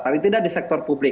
paling tidak di sektor publik